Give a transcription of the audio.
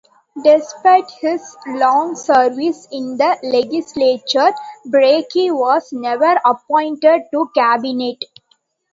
Despite his long service in the legislature, Breakey was never appointed to cabinet.